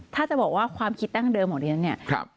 ถ้าจะบอกว่าความคิดตั้งเดิมของเรียนเนี่ยครับ